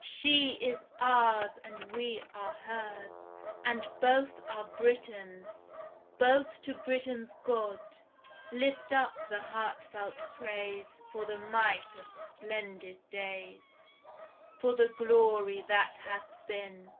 She is ours, and we are hers, And both are Britain's. Both to Britain's God Lift up the heart felt praise for the might of splendid days, For the glory that hath been.